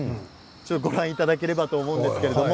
ご覧いただければと思うんですけれども。